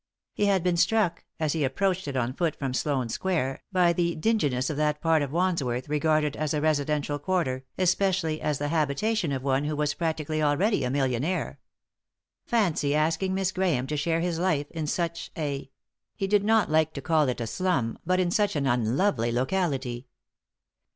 He had been struck, as he approached it on foot from Sloane Square, by the dinginess of that part of Wandsworth regarded as a residential quarter, especially as the habitation of one who was practically already a million aire. Fancy asking Miss Grahame to share his life in such a — he did not like to call it a slum, hut in such an unlovely locality.